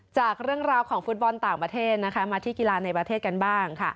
จากเรื่องราวของฟุตบอลต่างประเทศมาที่กีฬาในประเทศกันบ้าง